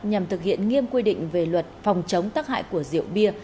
nhằm thực hiện nghiêm quy định về luật phòng chống tắc hại của rượu bia